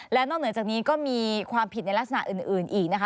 และนอกเหนือจากนี้ก็มีความผิดในลักษณะอื่นอีกนะคะ